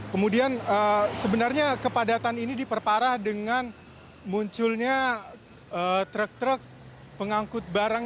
kemudian sebenarnya kepadatan ini diperparah dengan munculnya truk truk pengangkut barang